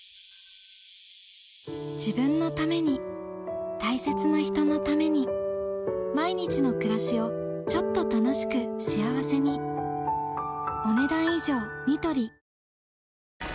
自分のために大切な人のために毎日の暮らしをちょっと楽しく幸せに待ってました！